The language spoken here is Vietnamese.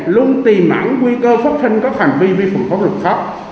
luôn tìm ẩn nguy cơ phát sinh các hành vi vi phạm pháp luật khác